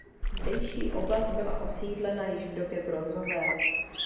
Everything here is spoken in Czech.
Zdejší oblast byla osídlena již v době bronzové.